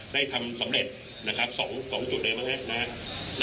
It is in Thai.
ได้ทำสำเร็จนะครับสองสองจุดเลยนะครับนะครับ